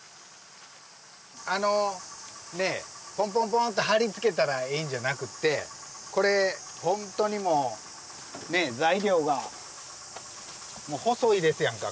あのねえポンポンポンッて貼り付けたらええんじゃなくってこれ本当にもう材料が細いですやんか。